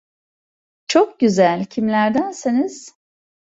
Çok güzel, kimlerdensiniz?